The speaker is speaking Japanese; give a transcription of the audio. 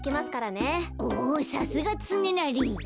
おさすがつねなり。